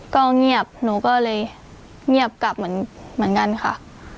ก็เงียบหนูก็เลยเงียบกลับเหมือนกันค่ะ